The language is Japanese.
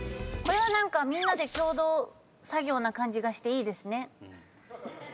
これは何かみんなで共同作業な感じがしていいですね。